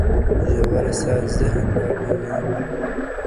ژوره ساه ذهن پاکوي